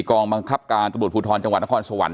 กองบังคับการตำรวจภูทรจังหวัดนครสวรรค